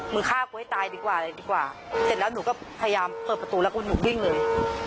ฆ่ากูให้ตายดีกว่าอะไรดีกว่าเสร็จแล้วหนูก็พยายามเปิดประตูแล้วก็หนูวิ่งเลย